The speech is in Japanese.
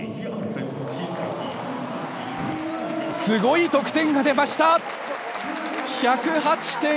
すごい得点が出ました！